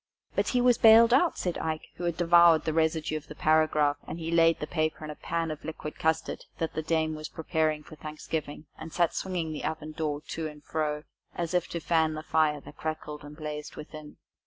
"But he was bailed out," said Ike, who had devoured the residue of the paragraph, and laid the paper in a pan of liquid custard that the dame was preparing for Thanksgiving, and sat swinging the oven door to and fro as if to fan the fire that crackled and blazed within.